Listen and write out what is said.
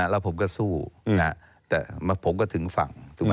แล้วผมก็สู้แต่ผมก็ถึงฝั่ง